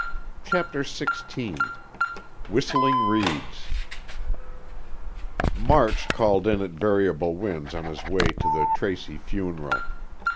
CHAPTER XVI WHISTLING REEDS March called in at Variable Winds on his way to the Tracy funeral.